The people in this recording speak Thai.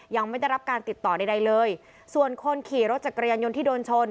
ยังไม่ได้รับการติดต่อใดใดเลยส่วนคนขี่รถจักรยานยนต์ที่โดนชน